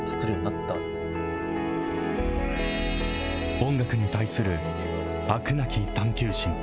音楽に対する飽くなき探求心。